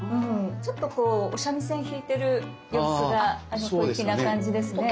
ちょっとこうお三味線弾いてる様子が小粋な感じですね。